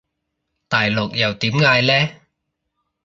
大陸又點嗌呢？